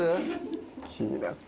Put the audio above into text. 気になって。